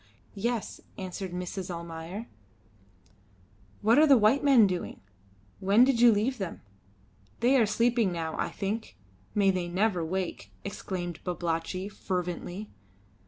"Yes," answered Mrs. Almayer. "What are the white men doing? When did you leave them?" "They are sleeping now, I think. May they never wake!" exclaimed Babalatchi, fervently.